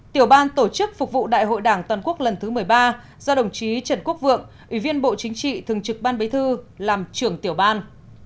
tiểu ban tổ chức phục vụ đại hội đảng toàn quốc lần thứ một mươi ba do đồng chí trần quốc vượng ủy viên bộ chính trị thường trực ban bế thư làm trưởng tiểu ban